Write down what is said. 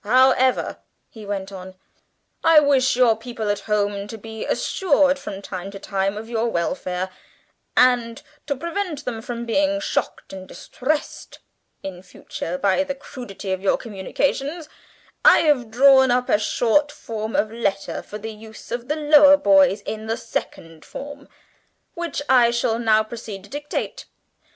"However," he went on, "I wish your people at home to be assured from time to time of your welfare, and to prevent them from being shocked and distressed in future by the crudity of your communications, I have drawn up a short form of letter for the use of the lower boys in the second form which I shall now proceed to dictate.